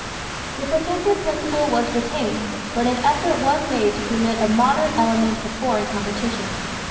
The protective principle was retained, but an effort was made to permit a moderate element of foreign competition.